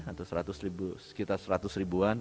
atau sekitar seratus ribuan